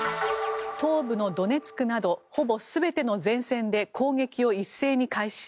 東部のドネツクなどほぼ全ての前線で攻撃を一斉に開始。